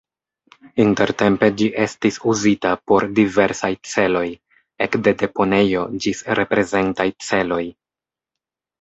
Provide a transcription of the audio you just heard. Intertempe ĝi estis uzita por diversaj celoj, ekde deponejo ĝis reprezentaj celoj.